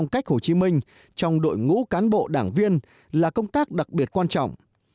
cách hồ chí minh trong đội ngũ cán bộ đảng viên là công tác đặc biệt quan trọng